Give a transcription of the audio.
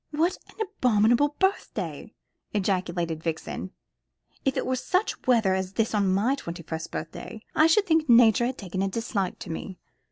"What an abominable birthday!" ejaculated Vixen; "if it were such weather as this on my twenty first birthday, I should think Nature had taken a dislike to me.